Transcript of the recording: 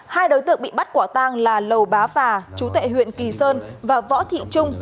hai đối tượng bị bắt quả tang là lầu bá phà chú tệ huyện kỳ sơn và võ thị trung